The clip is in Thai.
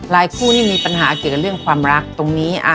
คู่นี่มีปัญหาเกี่ยวกับเรื่องความรักตรงนี้